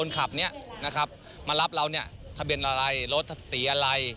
คนขับมารับเราทะเบียนอะไรรถสติอะไร